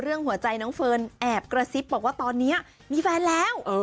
หัวใจน้องเฟิร์นแอบกระซิบบอกว่าตอนนี้มีแฟนแล้ว